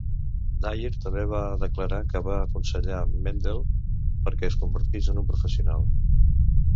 Dyer també va declarar que va aconsellar Mandell perquè es convertís en un professional.